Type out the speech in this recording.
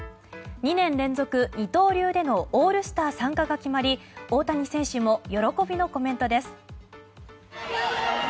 ２年連続二刀流でのオールスター参加が決まり大谷選手も喜びのコメントです。